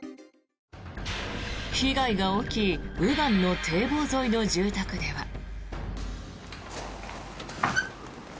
被害が大きい右岸の堤防沿いの住宅では。